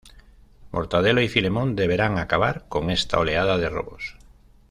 Mortadelo y Filemón deberán acabar con esta oleada de robos.